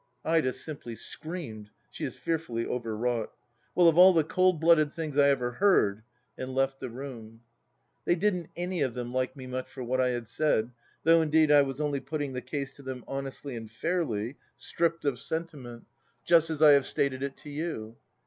Ida simply screamed ; she is fearfully overwrought :" Well, of all the cold blooded things I ever heard !" and left the room. They didn't any of them like me much for what I had said, though, indeed, I was only putting the case to them honestly and fairly, stripped of sentiment. ... Just as I have stated it to you.